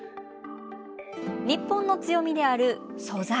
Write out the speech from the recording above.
日本の強みである素材